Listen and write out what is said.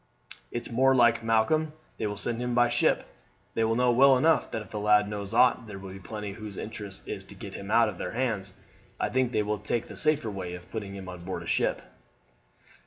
"It's more like, Malcolm, they will send him by ship. They will know well enough that if the lad knows aught there will be plenty whose interest it is to get him out of their hands. I think they will take the safer way of putting him on board ship."